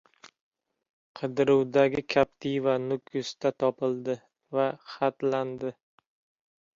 Qidiruvdagi “Captiva” Nukusda topildi va xatlandi